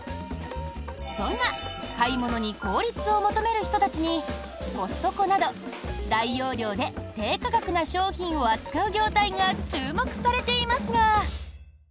そんな買い物に効率を求める人たちにコストコなど、大容量で低価格な商品を扱う業態が注目されていますが。